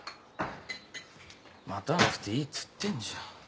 待たなくていいっつってんじゃん。